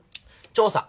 調査。